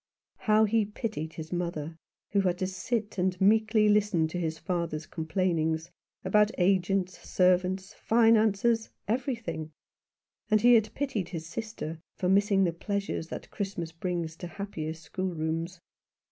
How he had pitied his mother, who had to sit and meekly listen to his father's complainings about agents, servants, finances, everything ; and he had pitied his sister for missing the pleasures that Christmas brings to happier schoolrooms.